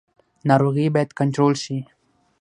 ناروغي باید کنټرول شي